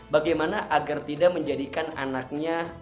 bagaimana agar tidak menjadikan anaknya